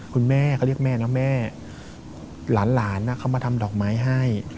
คุณแม่เขาเรียกแม่นะแม่หลานเขามาทำดอกไม้ให้